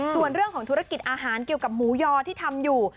ส่วนเรื่องของธุรกิจอาหารเกี่ยวกับหมูยอที่ทำอยู่